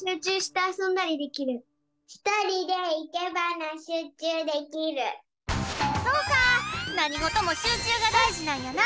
なあそうかなにごともしゅうちゅうがだいじなんやな。